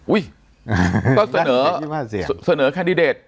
อุ้ยก็เสนอแคนดิเดต